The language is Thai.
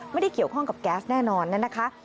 ไม่ได้เกี่ยวข้องกับแก๊สแน่นอนนะคะ